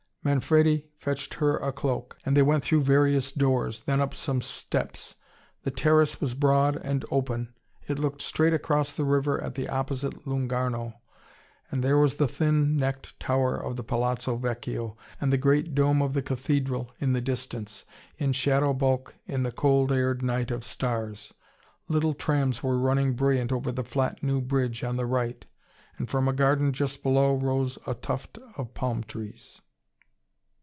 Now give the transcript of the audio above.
Manfredi fetched her a cloak, and they went through various doors, then up some steps. The terrace was broad and open. It looked straight across the river at the opposite Lungarno: and there was the thin necked tower of the Palazzo Vecchio, and the great dome of the cathedral in the distance, in shadow bulk in the cold aired night of stars. Little trams were running brilliant over the flat new bridge on the right. And from a garden just below rose a tuft of palm trees.